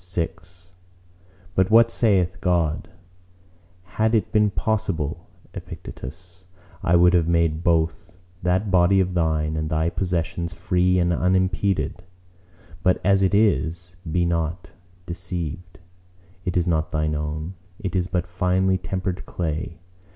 VI But what saith God?—"Had it been possible, Epictetus, I would have made both that body of thine and thy possessions free and unimpeded, but as it is, be not deceived:—it is not thine own; it is but finely tempered clay.